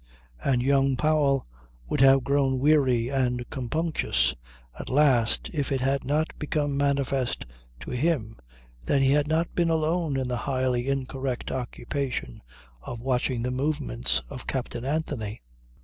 And young Powell would have grown weary and compunctious at last if it had not become manifest to him that he had not been alone in the highly incorrect occupation of watching the movements of Captain Anthony.